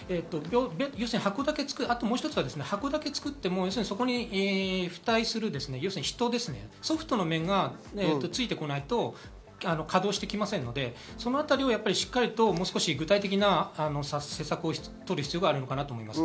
箱だけ作る、箱だけ作っても付帯する人、ソフトの面がついてこないと稼働してきませんので、そのあたりをしっかりと具体的な政策をとる必要があると思います。